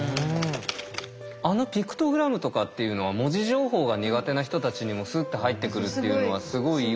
あのピクトグラムとかっていうのは文字情報が苦手な人たちにもスッて入ってくるっていうのはすごいいいことだよね。